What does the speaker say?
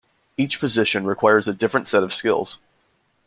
Each position requires a different set of skills.